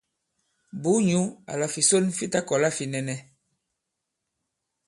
Bùu nyǔ àlà fìson fi ta-kɔ̀la là fi nɛnɛ.